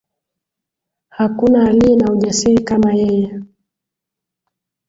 Hakuna aliye na ujasiri kama yeye